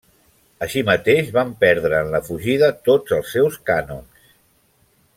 Així mateix van perdre en la fugida tots els seus canons.